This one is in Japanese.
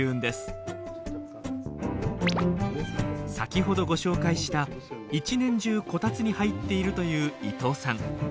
実は先ほどご紹介した一年中こたつに入っているという伊藤さん。